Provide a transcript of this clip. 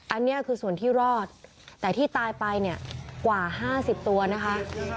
อันนี้คือส่วนที่รอดแต่ที่ตายไปเนี่ยกว่า๕๐ตัวนะคะ